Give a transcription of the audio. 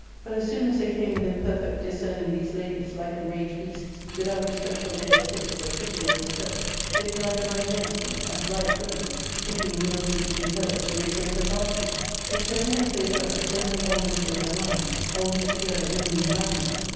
But, as soon as they came within perfect discerning these ladies, like enraged beasts, without respect of their estates, or pity of their sex, they began to run against them, // as right villains, thinking ability to do hurt to be a great ' advancement ; yet so many as they were, so many almost were their minds, all knit together only in madness.